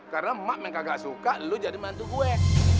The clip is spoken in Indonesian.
karena emak yang kagak suka lu jadi bantu gue